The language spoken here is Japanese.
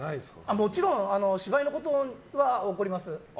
もちろん芝居のことは怒ります。